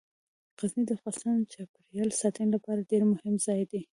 غزني د افغانستان د چاپیریال ساتنې لپاره ډیر مهم ځای دی.